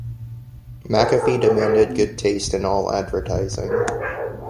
McAfee demanded good taste in all advertising.